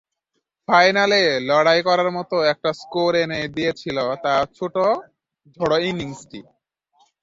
ফাইনালে লড়াই করার মতো একটা স্কোর এনে দিয়েছিল তাঁর ছোট্ট ঝোড়ো ইনিংসটিই।